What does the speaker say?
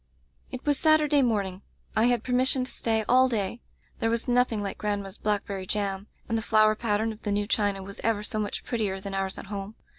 "It was Saturday morning. I had permis sion to stay all day. There was nothing like grandma's blackberry jam, and the flower pattern of the new china was ever so much prettier than ours at home.